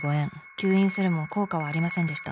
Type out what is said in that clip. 吸引するも効果はありませんでした。